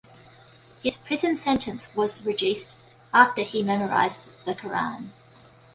His prison sentence was reduced after he memorized the Qur'an.